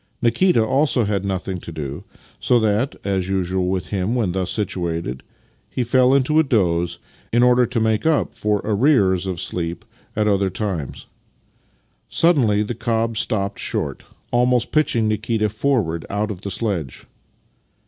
Kikita also had nothing to do, so that, as usual with him when thus situated, he fell into a doze, in order to make up for arrears of sleep at other times. Suddenly the cob stopped short, almost pitching Nikita forward out of the sledge.